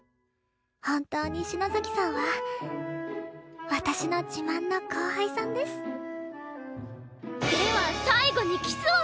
本当に篠崎さんは私の自慢の後輩さんですでは最後にキスを！